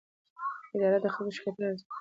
اداره د خلکو شکایتونه ارزوي.